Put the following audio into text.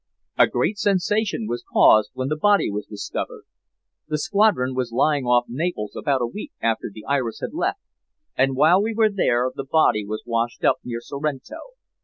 "A great sensation was caused when the body was discovered. The squadron was lying off Naples about a week after the Iris had left, and while we were there the body was washed up near Sorrento.